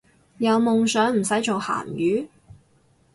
有夢想唔使做鹹魚